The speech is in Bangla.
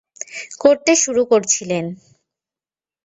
করতে শুরু করছিলেন।